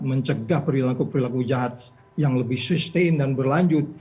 mencegah perilaku perilaku jahat yang lebih sustain dan berlanjut